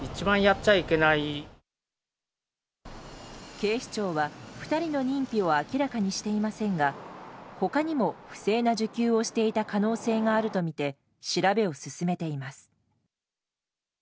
警視庁は、２人の認否を明らかにしていませんが他にも不正な受給をしていた可能性があるとみて調べを進めています。